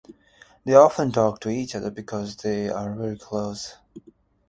They often talk to each other because they are very close.